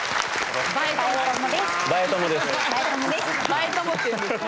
ＢＡＥ友っていうんですね。